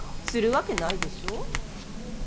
するわけないでしょう。